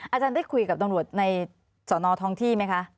อาจารย์ได้คุยกับตำรวจในสอนอท้องที่ไหมคะ